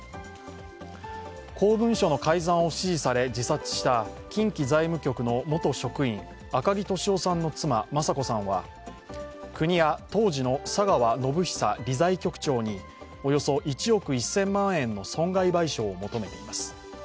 公文書の改ざんを指示され自殺した近畿財務局の元職員、赤木俊夫さんの妻、雅子さんは国や当時の佐川宣寿理財局長におよそ１億１０００万円の損害賠償を求めています。